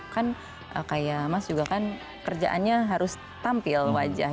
kan kayak mas juga kan kerjaannya harus tampil wajah